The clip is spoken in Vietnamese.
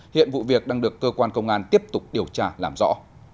hiện vụ việc đang được cơ quan công an tiếp tục điều tra làm rõ